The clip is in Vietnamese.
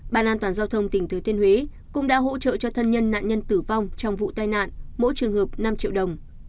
bàn an toàn giao thông tỉnh thứ thiên huế cũng đã hỗ trợ cho thân nhân nạn nhân tử vong trong vụ tai nạn mỗi trường hợp năm triệu đồng